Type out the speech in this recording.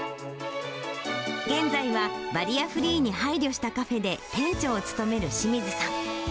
現在はバリアフリーに配慮したカフェで、店長を務める志水さん。